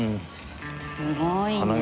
すごいね。